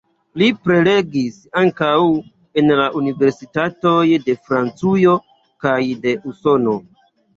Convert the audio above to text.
Li prelegis ankaŭ en la universitatoj de Francujo kaj de Usono.